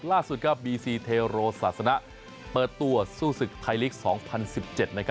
ล่าสุดครับบีซีเทโรศาสนะเปิดตัวสู้ศึกไทยลีกส์๒๐๑๗นะครับ